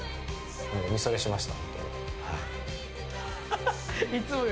おみそれしました。